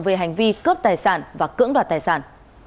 về hành vi cướp tài sản và cưỡng đoạt tài sản